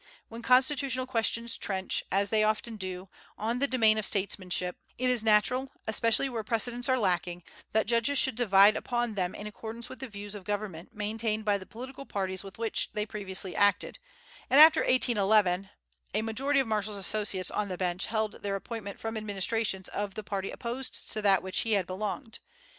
When constitutional questions trench, as they often do, on the domain of statesmanship, it is natural, especially where precedents are lacking, that judges should divide upon them in accordance with the views of government maintained by the political parties with which they previously acted; and after 1811, a majority of Marshall's associates on the bench held their appointment from administrations of the party opposed to that to which he had belonged.